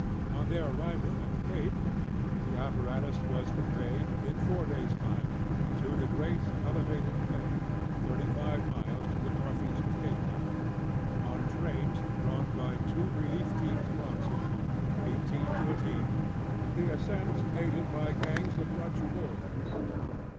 On their arrival at the Cape, the apparatus was conveyed, in four days' time, to the great elevated plain, thirty five miles to the N.E. of Cape Town, on trains drawn by two relief teams of oxen, eighteen to a team, the ascent aided by gangs of Dutch boors.